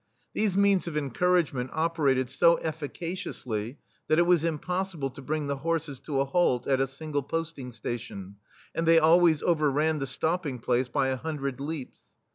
These means of encouragement operated so efficaciously that it was impossible to bring the horses to a halt at a single posting station, and they always over ran the stopping place by a hundred leaps.